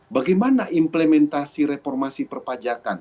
bagaimana implementasi reformasi perpajakan